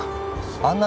あんな